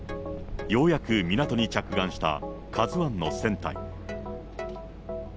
ようやく港に着岸したＫＡＺＵＩの船体。